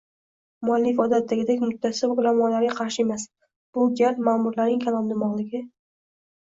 muallif odatdagidek mutaassib ulamolarga qarshi emas, bu gal ma`murlarning kalondimog'ligi